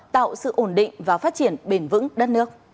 tạo sự ổn định và phát triển bền vững đất nước